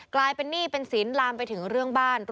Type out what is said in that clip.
กลายเป็นหนี้เป็นสินลามไปถึงเรื่องบ้าน